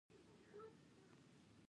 لعل د افغان کورنیو د دودونو مهم عنصر دی.